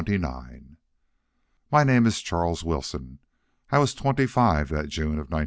My name is Charles Wilson. I was twenty five that June of 1929.